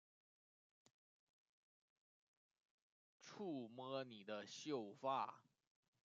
触摸你的秀发